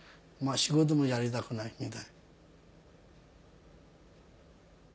仕事もやりたくないみたい。